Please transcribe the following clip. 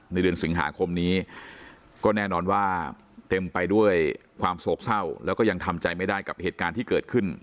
เดือนสิงหาคมนี้ก็แน่นอนว่าเต็มไปด้วยความโศกเศร้าแล้วก็ยังทำใจไม่ได้กับเหตุการณ์ที่เกิดขึ้น